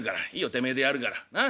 てめえでやるからなっ？